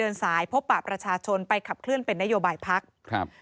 นายธนากรวังบุญคงชนะนะคะ